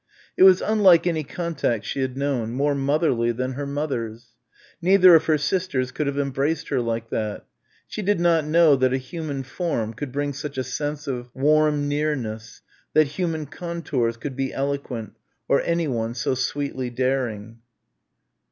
It was unlike any contact she had known more motherly than her mother's. Neither of her sisters could have embraced her like that. She did not know that a human form could bring such a sense of warm nearness, that human contours could be eloquent or anyone so sweetly daring.